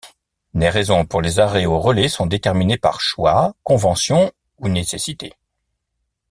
Les raisons pour les arrêts aux relais sont déterminées par choix, convention ou nécessité.